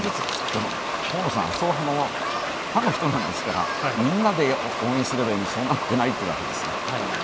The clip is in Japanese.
河野さん、麻生派の派の人なんですからみんなで応援すればいいのに、そうなってないというわけですね。